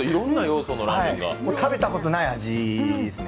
食べたことない味ですね